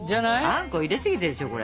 あんこ入れすぎてるでしょこれ。